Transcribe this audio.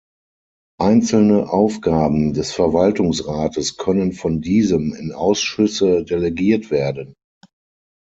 Einzelne Aufgaben des Verwaltungsrates können von diesem in Ausschüsse delegiert werden.